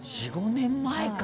４５年前か。